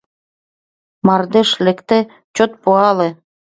Мардеж лекте, чот пуале